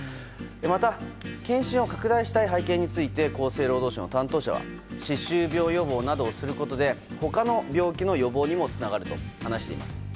また、検診を拡大したい背景については厚生労働省の担当者は歯周病予防などをすることで他の病気の予防にもつながると話しています。